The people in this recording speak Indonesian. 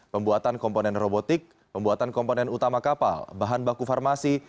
pembuatan komponen robotik pembuatan komponen utama kapal bahan baku farmasi